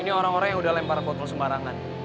ini orang orang yang udah lempar foto sembarangan